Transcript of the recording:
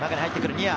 ニア。